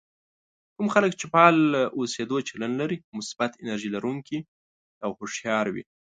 کوم خلک چې فعال اوسېدو چلند لري مثبت، انرژي لرونکي او هوښيار وي.